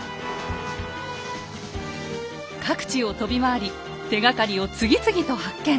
各地を飛び回り手がかりを次々と発見！